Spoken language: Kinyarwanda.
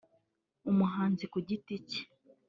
umuhanzi kugiti cye